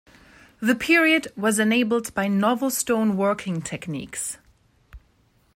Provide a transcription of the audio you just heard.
The period was enabled by novel stone working techniques.